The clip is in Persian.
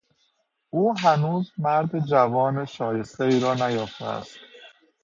او هنوز مرد جوان شایستهای را نیافته است.